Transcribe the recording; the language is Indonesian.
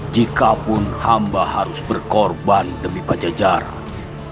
jikapun hamba harus berkorban demi pajajaran